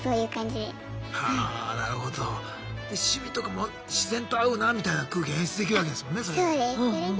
で趣味とかも自然と合うなみたいな空気が演出できるわけですもんねそれで。